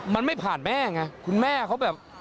มันไม่ผ่านแม่ไงคุณแม่เขาแบบ